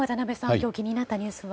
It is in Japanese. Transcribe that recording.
今日気になったニュースは？